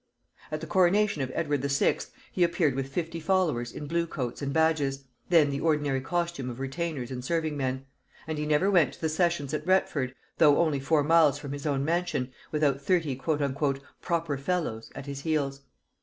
At the coronation of Edward VI. he appeared with fifty followers in blue coats and badges, then the ordinary costume of retainers and serving men, and he never went to the sessions at Retford, though only four miles from his own mansion, without thirty "proper fellows" at his heels.